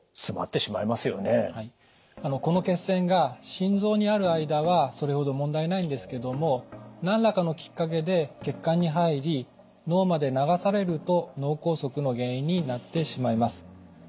この血栓が心臓にある間はそれほど問題ないんですけども何らかのきっかけで血管に入り脳まで流されると脳梗塞の原因になってしまいます。